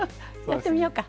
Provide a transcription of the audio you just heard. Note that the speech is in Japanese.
やってみようか？